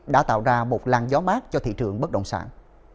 đã tạo ra một lan gió mát cho thị trường bất động sản